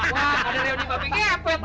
wah pada reoni babi ngepet nih